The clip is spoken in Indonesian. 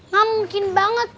gak mungkin banget